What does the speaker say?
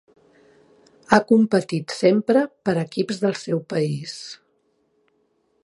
Ha competit sempre per equips del seu país.